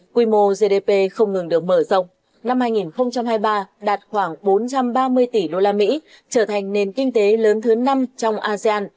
quy mô gdp không ngừng được mở rộng năm hai nghìn hai mươi ba đạt khoảng bốn trăm ba mươi tỷ usd trở thành nền kinh tế lớn thứ năm trong asean